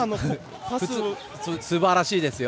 すばらしいですよ。